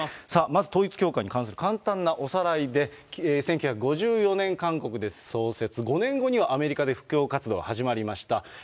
まず、統一教会に関する簡単なおさらいで、１９５４年、韓国で創設、５年後にはアメリカで布教活動が始まりました。